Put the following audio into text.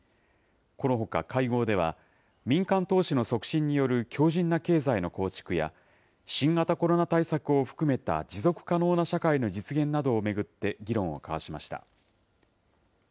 このほか、会合では民間投資の促進による強じんな経済の構築や、新型コロナ対策を含めた持続可能な社会の実現などを巡って議論を交わしました。